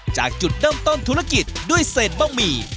จากจุดเริ่มต้นธุรกิจด้วยเศษบะหมี่